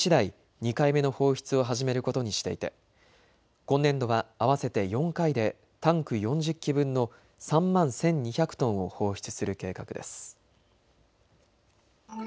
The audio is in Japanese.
２回目の放出を始めることにしていて今年度は合わせて４回でタンク４０基分の３万１２００トンを放出する計画です。